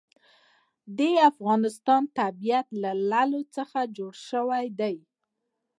د افغانستان طبیعت له لعل څخه جوړ شوی دی.